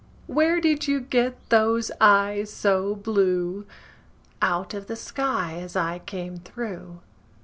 Where did you get those eyes so blue? Out of the sky as I came through.